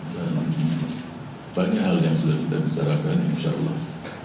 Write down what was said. dan banyak hal yang sudah kita bicarakan insyaallah